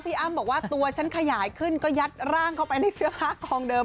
อ้ำบอกว่าตัวฉันขยายขึ้นก็ยัดร่างเข้าไปในเสื้อผ้ากองเดิม